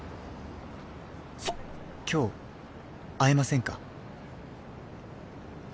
「今日会えませんか？」